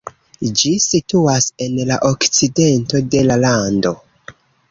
Ĝi situas en la okcidento de la lando.